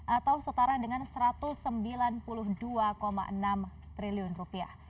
atau setara dengan satu ratus sembilan puluh dua enam triliun rupiah